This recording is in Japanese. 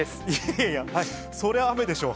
いやいや、それは雨でしょう。